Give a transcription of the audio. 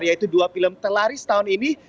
yaitu dua film terlaris tahun ini